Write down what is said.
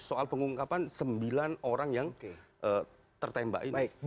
soal pengungkapan sembilan orang yang tertembak ini